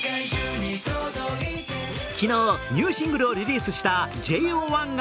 昨日、ニューシングルをリリースしたＪＯ１が